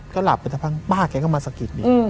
ก็หลับไปทะพังป้าแค่ก็มาสะกิดดี